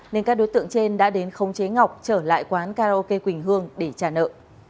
nên các đối tượng trên đã đến khống chế ngọc trở lại quán karaoke quỳnh hương để trả nợ